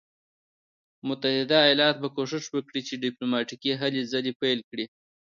متحده ایالات به کوښښ وکړي چې ډیپلوماټیکي هلې پیل کړي.